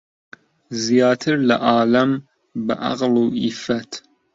زیاتر لە عالەم بە عەقڵ و عیففەت